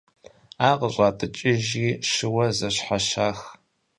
Ар къыщӀатӏыкӏыжри щыуэ зэщхьэщах.